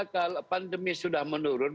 kalau pandemi sudah menurun